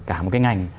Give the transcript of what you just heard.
cả một cái ngành